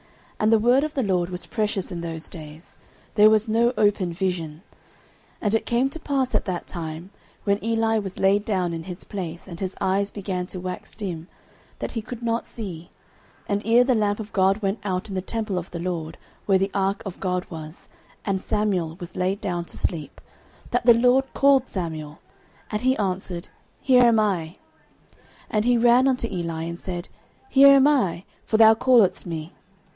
And the word of the LORD was precious in those days; there was no open vision. 09:003:002 And it came to pass at that time, when Eli was laid down in his place, and his eyes began to wax dim, that he could not see; 09:003:003 And ere the lamp of God went out in the temple of the LORD, where the ark of God was, and Samuel was laid down to sleep; 09:003:004 That the LORD called Samuel: and he answered, Here am I. 09:003:005 And he ran unto Eli, and said, Here am I; for thou calledst me.